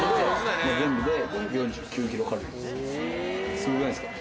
すごくないですか？